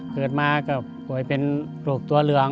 เกิดมาก็ป่วยเป็นโรคตัวเหลือง